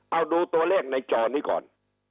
เอาดูตัวเลขในจอนี้ก่อน